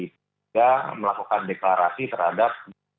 mereka melakukan deklarasi terhadap